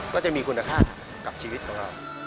ก็จะมีคุณค่ากับชีวิตของเรา